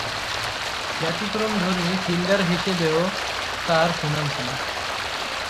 ব্যতিক্রমধর্মী fielder হিসেবেও তার সুনাম ছিল।